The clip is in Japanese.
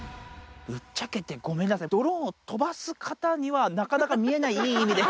ぶっちゃけてごめんなさい、ドローンを飛ばす方にはなかなか見えない、いい意味で。